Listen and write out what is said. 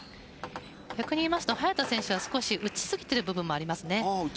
逆に言いますと早田選手は少し打ち過ぎている部分もあります。